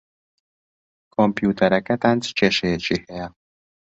کۆمپیوتەرەکەتان چ کێشەیەکی ھەیە؟